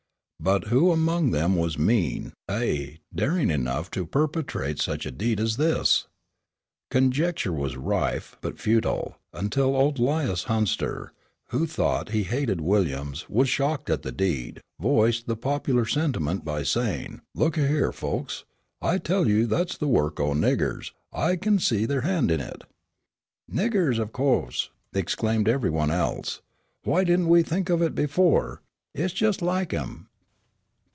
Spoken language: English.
But who among them was mean, ay, daring enough to perpetrate such a deed as this? Conjecture was rife, but futile, until old 'Lias Hunster, who though he hated Williams, was shocked at the deed, voiced the popular sentiment by saying, "Look a here, folks, I tell you that's the work o' niggers, I kin see their hand in it." "Niggers, o' course," exclaimed every one else. "Why didn't we think of it before? It's jest like 'em."